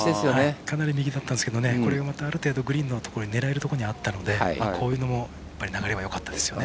かなり右だったんですけどこれがある程度グリーンのところ狙えるところにあったのでそれも流れがよかったですね。